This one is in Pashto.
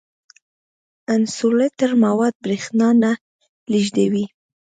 انسولټر مواد برېښنا نه لیږدوي.